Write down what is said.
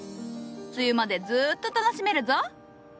梅雨までずっと楽しめるぞ。